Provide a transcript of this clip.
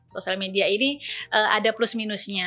sosial media ini ada plus minusnya